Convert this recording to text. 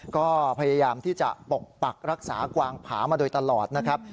ก็พยายามที่จะปกปักรักษากวางผามาโดยตลอดนะครับ